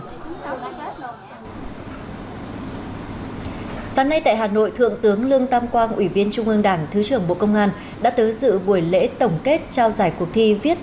sáng nay tại hà nội thượng tướng lương tam quang ủy viên trung ương đảng thứ trưởng bộ công an đã tới dự buổi lễ tổng kết trao giải cuộc thi viết